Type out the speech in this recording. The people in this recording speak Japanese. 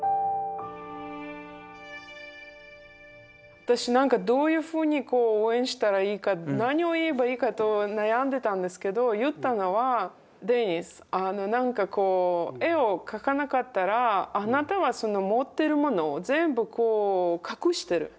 私なんかどういうふうにこう応援したらいいか何を言えばいいかと悩んでたんですけど言ったのはデニスなんかこう絵を描かなかったらあなたはその持ってるものを全部こう隠してる人に見せない。